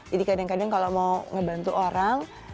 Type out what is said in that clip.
jadi kadang kadang kalau mau ngebantu orang